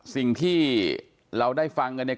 สิ่งที่เราได้ฟังกันเนี่ย